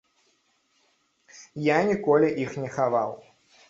Я ніколі іх не хаваў.